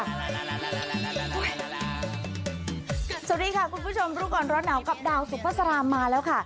สวัสดีค่ะคุณผู้ชมรู้ก่อนร้อนหนาวกับดาวสุภาษามาแล้วค่ะ